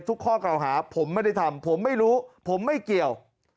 ข้อเก่าหาผมไม่ได้ทำผมไม่รู้ผมไม่เกี่ยว